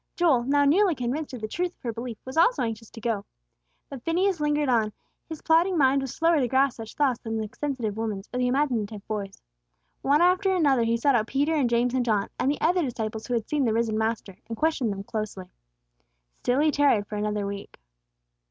Joel, now nearly convinced of the truth of her belief, was also anxious to go. But Phineas lingered; his plodding mind was slower to grasp such thoughts than the sensitive woman's or the imaginative boy's. One after another he sought out Peter and James and John, and the other disciples who had seen the risen Master, and questioned them closely. Still he tarried for another week.